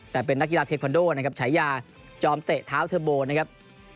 แต่เป็นนักกีฬาเทคอนโดนะครับฉายาจอมเตะเท้าเทอร์โบนะครับ